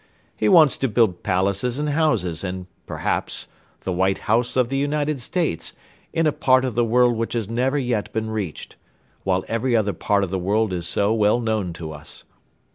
He wants to build palaces and houses and, perhaps, the White House of the United States, in a part of the world which has never yet been reached, while every other part of the world is so well known to us."